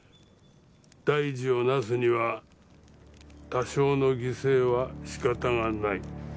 大事を成すには多少の犠牲はしかたがない。